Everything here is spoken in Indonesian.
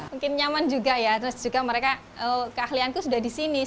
mungkin nyaman juga ya terus juga mereka keahlian ku sudah disediakan